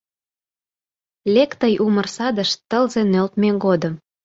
Лек тый умыр садыш Тылзе нӧлтмӧ годым.